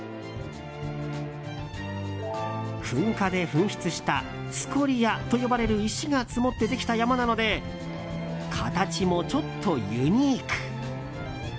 噴火で噴出したスコリアと呼ばれる石が積もってできた山なので形もちょっとユニーク。